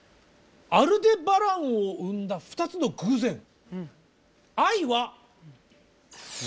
「アルデバラン」を生んだ２つの偶然。